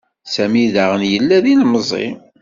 Sami daɣen yella d ilemẓi.